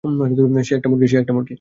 সে একটা মুরগি।